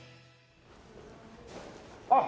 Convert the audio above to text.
あっ！